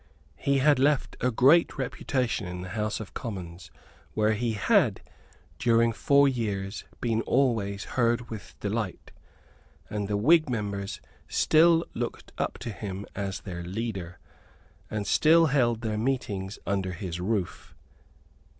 He had left a great reputation in the House of Commons, where he had, during four years, been always heard with delight; and the Whig members still looked up to him as their leader, and still held their meetings under his roof.